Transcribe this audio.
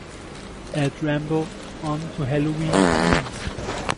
Add ramble on to Halloween Teens